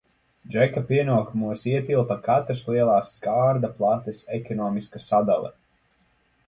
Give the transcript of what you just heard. Džeka pienākumos ietilpa katras lielās skārda plates ekonomiska sadale.